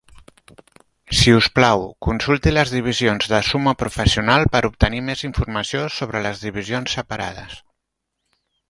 Si us plau, consulti les divisions de sumo professional per obtenir més informació sobre les divisions separades.